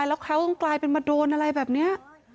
เขาก็ต้องกลายเป็นมะโดนอะไรแบบนี้